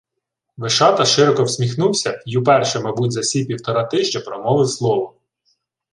Вишата широко всміхнувся й уперше, мабуть, за сі півтора тижня промовив слово: